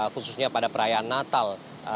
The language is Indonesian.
khususnya pada perayaan natal